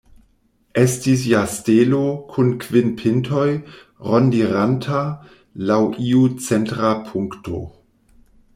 Estis ja stelo, kun kvin pintoj, rondiranta laŭ iu centra punkto.